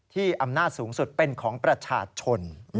อำนาจสูงสุดเป็นของประชาชน